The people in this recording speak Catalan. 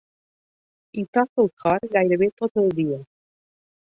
Hi toca el cor gairebé tot el dia.